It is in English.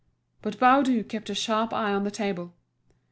But Baudu kept a sharp eye on the table.